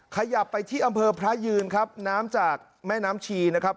ขยับไปที่อำเภอพระยืนครับน้ำจากแม่น้ำชีนะครับ